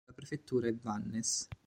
La prefettura è Vannes.